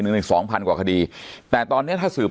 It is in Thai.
ในสองพันกว่าคดีแต่ตอนเนี้ยถ้าสืบ